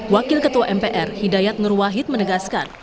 wakil ketua mpr hidayat ngerwahid menegaskan